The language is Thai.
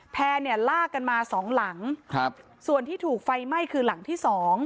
แพ้ลากกันมา๒หลังส่วนที่ถูกไฟไหม้คือหลังที่๒